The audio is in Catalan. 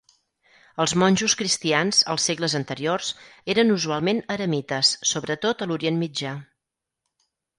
Els monjos cristians als segles anteriors eren usualment eremites, sobretot a l'Orient Mitjà.